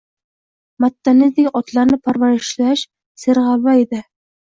Mattanidek otlarni parvarishlash serg`alva ish